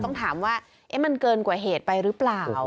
ต้องถามว่ามันเกินกว่าเหตุไปหรือเปล่า